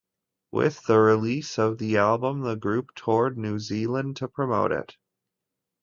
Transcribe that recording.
With the release of the album the group toured New Zealand to promote it.